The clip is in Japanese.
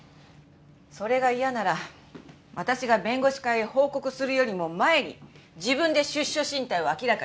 それが嫌なら私が弁護士会へ報告するよりも前に自分で出処進退を明らかにしなさい。